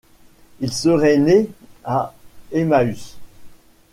Il serait né à Emmaüs.